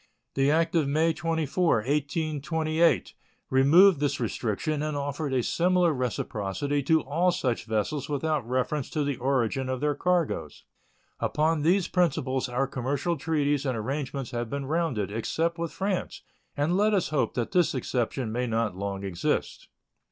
The act of May 24, 1828, removed this restriction and offered a similar reciprocity to all such vessels without reference to the origin of their cargoes. Upon these principles our commercial treaties and arrangements have been rounded, except with France, and let us hope that this exception may not long exist.